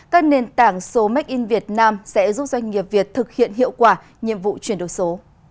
các nền tảng số make in việt nam sẽ giúp doanh nghiệp việt thực hiện hiệu quả nhiệm vụ chuyển đổi số